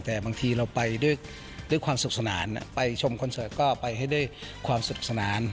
แต่บางทีเราไปด้วยความสุขสนานไปชมคอนเสิร์ตก็ไปให้ด้วยความสนุกสนาน